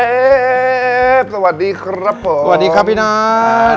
สวัสดีครับผมพี่นอทสวัสดีครับพี่นอทสวัสดีครับพี่นอท